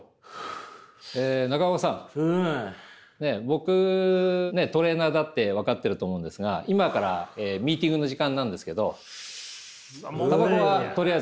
僕トレーナーだって分かってると思うんですが今からミーティングの時間なんですけどタバコはとりあえずやめましょう。